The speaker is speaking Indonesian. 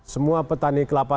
semua petani kelapa